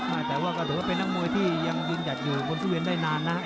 อุ๊ยแต่ว่าจะเป็นนักมวยที่ยังดึงจัดอยู่ประวัติศาสตร์นี้ได้นานนะฮะ